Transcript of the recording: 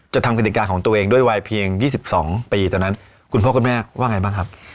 ทำกฎิกาของตัวเองด้วยวัยเพียง๒๒ปีตอนนั้นคุณพ่อคุณแม่ว่าไงบ้างครับ